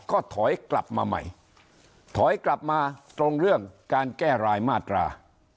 ก็ถอยกลับมาใหม่ถอยกลับมาตรงเรื่องการแก้รายมาตรา